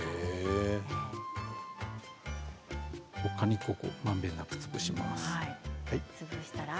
果肉をまんべんなく潰します。